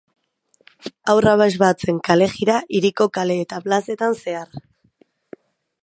Haur abesbatzen kalejira hiriko kale eta plazetan zehar.